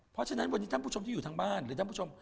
เพราะฉะนั้นวันนี้ท่านผู้ชมที่อยู่ทางบ้านหรือท่านผู้ชม